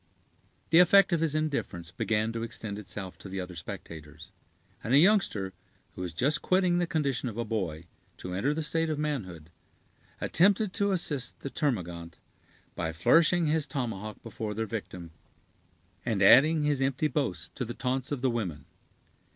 The effect of his indifference began to extend itself to the other spectators; and a youngster, who was just quitting the condition of a boy to enter the state of manhood, attempted to assist the termagant, by flourishing his tomahawk before their victim, and adding his empty boasts to the taunts of the women.